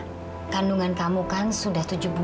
jadi aku ingin mengucapkan terima kasih kepada ilmuwan yang besar